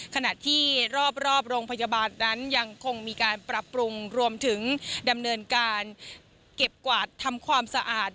ขณะที่รอบโรงพยาบาลนั้นยังคงมีการปรับปรุงรวมถึงดำเนินการเก็บกวาดทำความสะอาด